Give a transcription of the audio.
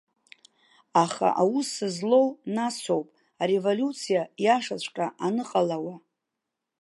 Аха аус злоу насоуп, ареволиуциа иашаҵәҟьа аныҟалауа.